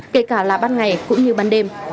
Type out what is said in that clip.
kể cả là ban ngày cũng như ban đêm